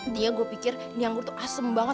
dia gue pikir ini aku tuh asem banget